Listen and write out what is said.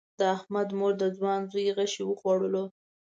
د احمد مور د ځوان زوی غشی وخوړلو.